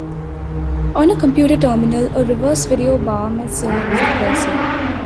On a computer terminal, a reverse video bar may serve as the cursor.